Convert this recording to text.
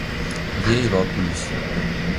Vieirópolis